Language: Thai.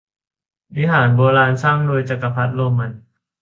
วิหารโบราณสร้างโดยจักรพรรดิโรมัน